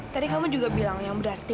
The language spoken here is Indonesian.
tadi kamu juga bilang yang berarti